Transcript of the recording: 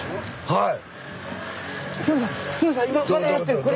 はい！